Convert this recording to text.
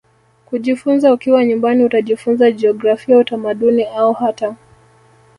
kujifunza ukiwa nyumbani Utajifunza jiografia utamaduni au hata